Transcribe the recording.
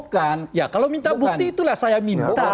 kalau minta bukti itulah saya minta